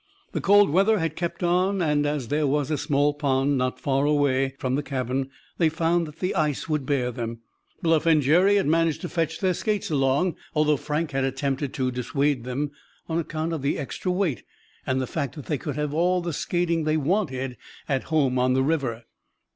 The cold weather had kept on, and as there was a small pond not far away from the cabin they found that the ice would bear them. Bluff and Jerry had managed to fetch their skates along, although Frank had attempted to dissuade them, on account of the extra weight and the fact that they could have all the skating they wanted at home on the river.